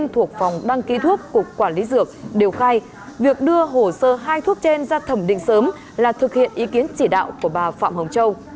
thuộc phòng đăng ký thuốc cục quản lý dược đều khai việc đưa hồ sơ hai thuốc trên ra thẩm định sớm là thực hiện ý kiến chỉ đạo của bà phạm hồng châu